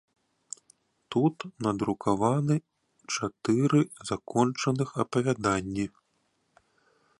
Тут надрукаваны чатыры закончаных апавяданні.